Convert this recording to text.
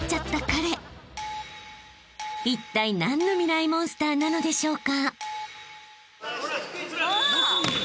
［いったい何のミライ☆モンスターなのでしょうか］